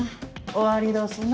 終わりどすな。